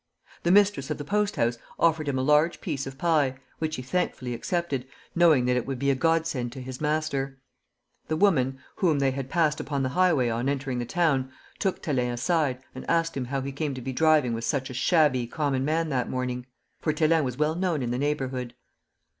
The mistress of the post house offered him a large piece of pie, which he thankfully accepted, knowing that it would be a godsend to his master. A woman, whom they had passed upon the highway on entering the town, took Thélin aside and asked him how he came to be driving with such a shabby, common man that morning; for Thélin was well known in the neighborhood.